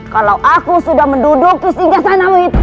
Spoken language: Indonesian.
kalau aku sudah menduduki singgah sanamu itu